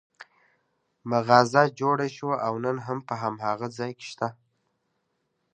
مغازه جوړه شوه او نن هم په هماغه ځای کې شته.